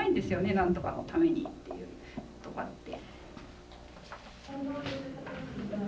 「何とかのために」っていう言葉って。